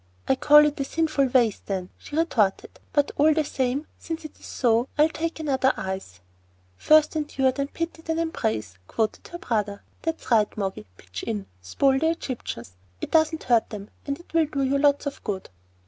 "I call it a sinful waste, then," she retorted. "But all the same, since it is so, I'll take another ice." "'First endure, then pity, then embrace,'" quoted her brother. "That's right, Moggy; pitch in, spoil the Egyptians. It doesn't hurt them, and it will do you lots of good."